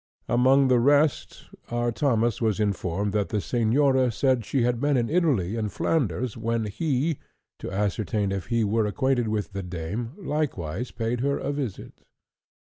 Among the rest our Thomas was informed that the Señora said she had been in Italy and Flanders when he, to ascertain if he were acquainted with the dame, likewise paid her a visit.